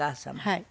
はい。